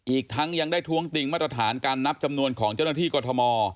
อีกทั้งยังได้ท้วงติงมาตรฐานการนับจำนวนของเจ้าหน้าที่กรทม